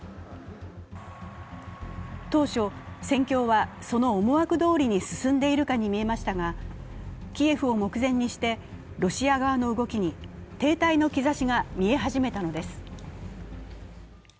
当初、戦況はその思惑どおりに進んでいるかに見えましたが、キエフを目前にしてロシア側の動きに停滞の兆しが見え始めたのです。